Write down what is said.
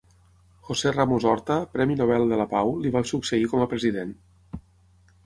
José Ramos-Horta, Premi Nobel de la Pau li va succeir com a president.